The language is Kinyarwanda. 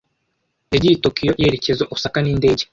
Yagiye i Tokiyo yerekeza Osaka n'indege.